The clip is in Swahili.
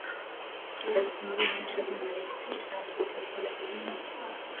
elfu moja mia tisa themanini na tisa hadi mwaka elfu mbili na kumi na